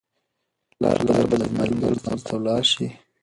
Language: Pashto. پلار به د مازیګر لمانځه ته ولاړ شي.